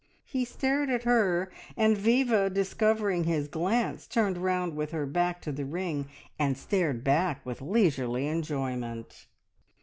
He stared at her, and Viva discovering his glance turned round with her back to the ring, and stared back with leisurely enjoyment.